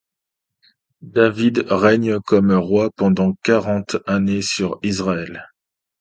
David règne comme roi pendant quarante années sur Israël.